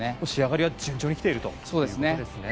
仕上がりは順調に来ていると。